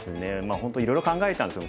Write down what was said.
本当いろいろ考えたんですよ。